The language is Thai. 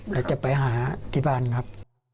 จะไปหาที่บ้านครับ